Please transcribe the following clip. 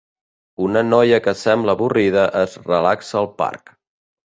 Una noia que sembla avorrida es relaxa al parc.